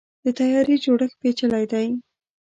د طیارې جوړښت پیچلی دی.